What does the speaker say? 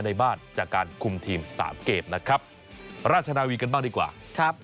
ในบ้านจากการคุมทีมสามเกมนะครับราชนาวีกันบ้างดีกว่าครับ